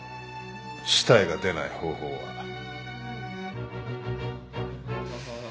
死体が出ない方法は。